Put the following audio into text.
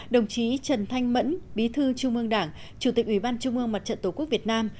đồng chí trần thanh mẫn bí thư trung ương đảng chủ tịch ủy ban trung ương mặt trận tổ quốc việt nam